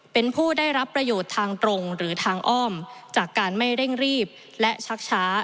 เป็นผู้ได้รับประโยชน์ทางตรงหรือทางอ้อมจากการไม่เร่งรีบและชักช้า